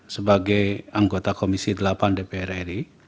sebagai anggota komisi delapan dpr ri